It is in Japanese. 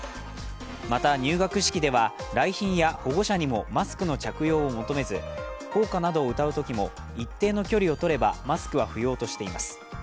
また入学式では来賓や保護者にもマスクの着用を求めず校歌などを歌うときも、一定の距離をとればマスクは不要としています。